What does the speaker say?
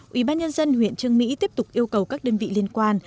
ủy ban nhân dân huyện trương mỹ tiếp tục yêu cầu các đơn vị liên quan